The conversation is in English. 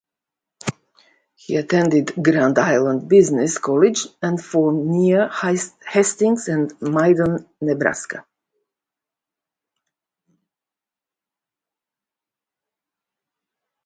He attended Grand Island Business College and farmed near Hastings and Minden, Nebraska.